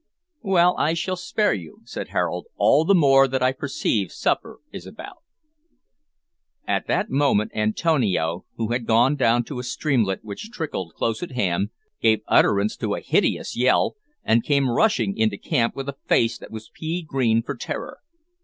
"Well, I shall spare you," said Harold, "all the more that I perceive supper is about " At that moment Antonio, who had gone down to a streamlet which trickled close at hand, gave utterance to a hideous yell, and came rushing into camp with a face that was pea green from terror.